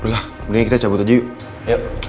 udah lah lebihnya kita cabut aja yuk